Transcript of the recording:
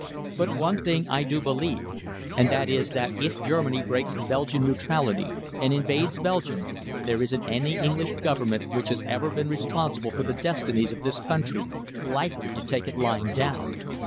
But one thing I do believe, and that is that if Germany breaks Belgian neutrality and invades Belgium, there isn't any English Government which has ever been responsible for the destinies of this country, likely to take it lying down.